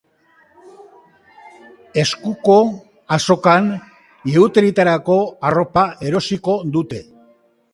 Eskuko azokan ihauterietarako arropa erosiko dute.